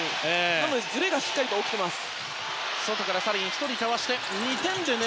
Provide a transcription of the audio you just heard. なのでずれが、しっかり起きています。